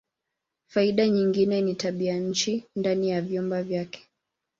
Faida nyingine ni tabianchi ndani ya vyumba vyake.